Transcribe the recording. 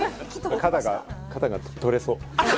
肩が取れそう。